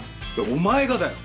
お前がだよ。